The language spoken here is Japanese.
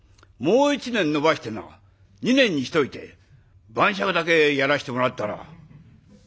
もう一年延ばしてな二年にしといて晩酌だけやらしてもらったら」。